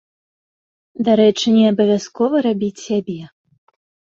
Дарэчы, не абавязкова рабіць сябе.